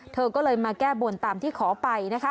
เธอก็เลยมาแก้บนตามที่ขอไปนะคะ